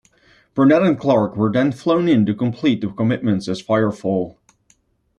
Burnett and Clarke were then flown in to complete the commitments as Firefall.